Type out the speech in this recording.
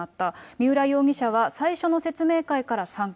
三浦容疑者は最初の説明会から参加。